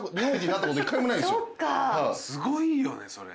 すごいよねそれ。